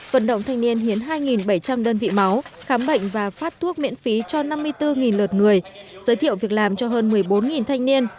vận động thanh niên hiến hai bảy trăm linh đơn vị máu khám bệnh và phát thuốc miễn phí cho năm mươi bốn lượt người giới thiệu việc làm cho hơn một mươi bốn thanh niên